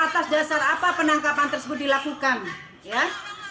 atas dasar apa penangkapan tersebut dilakukan ya